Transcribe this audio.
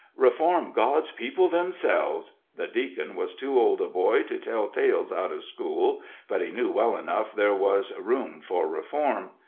Reform God's people themselves! The Deacon was too old a boy to tell tales out of school, but he knew well enough there was room for reform.